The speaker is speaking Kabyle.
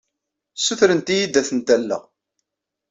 Ssutrent-iyi-d ad tent-alleɣ.